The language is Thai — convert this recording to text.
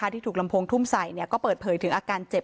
ที่ถูกลำโพงทุ่มใส่ก็เปิดเผยถึงอาการเจ็บ